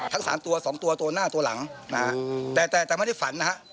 ทั้ง๓ตัว๒ตัวตัวหน้าตัวหลังแต่ไม่ได้ฝันนะครับ